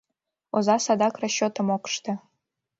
Оза садак расчётым ок ыште.